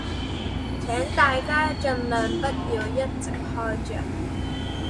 請大家盡量不要一直開著